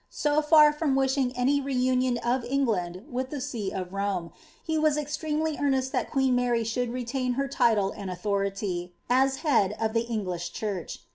So &r from wishing any reunion of England wiih.the tee of Rome, he was extremely earnest that queen Mary should retain her title and authority, as Head of the English Uhureh.